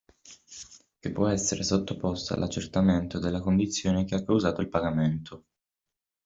Che può essere sottoposta all'accertamento della condizione che ha causato il pagamento.